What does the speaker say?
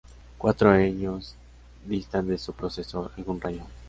Cuatro años distan de su predecesor "Algún rayo".